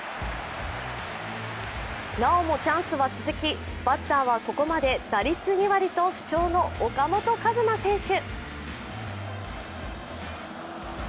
なおもチャンスは続きバッターはここまで打率２割と不調の岡本和真選手。